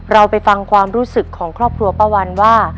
เราไปฟังความรู้สึกของครอบครัวป้าวันว่า